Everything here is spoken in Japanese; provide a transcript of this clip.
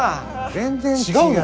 全然違うよ。